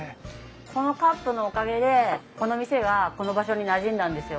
このカップのおかげでこの店がこの場所になじんだんですよ。